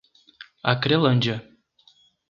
Acrelândia